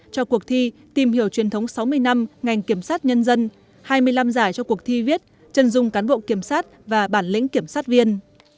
cho cuộc thi tìm hiểu truyền thống sáu mươi năm ngành kiểm sát nhân dân hai mươi năm giải cho cuộc thi viết chân dung cán bộ kiểm sát và bản lĩnh kiểm sát viên